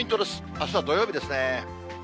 あすは土曜日ですね。